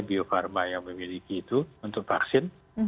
bio farma yang memiliki itu untuk vaksin